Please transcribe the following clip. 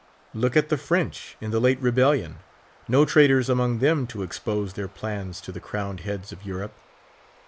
Look at the French in the late rebellion ; no traitors among them to expose their plans to the crowned heads of Eu rope.